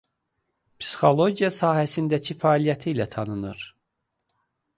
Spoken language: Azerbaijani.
Psixologiya sahəsindəki fəaliyyəti ilə tanınır.